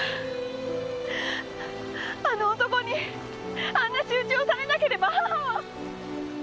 あの男にあんな仕打ちをされなければ母は！